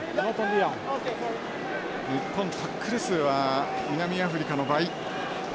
日本タックル数は南アフリカの倍。